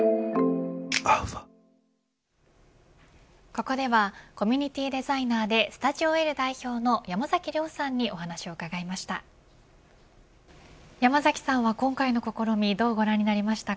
ここではコミュニティデザイナーでｓｔｕｄｉｏ‐Ｌ代表の山崎亮さんにお話を伺いました。